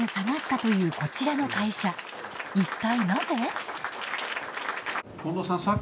一体なぜ？